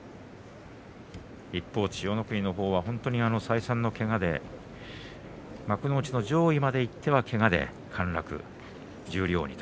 一方、千代の国は本当に再三のけがで幕内の上位までいってはけがで陥落、十両に。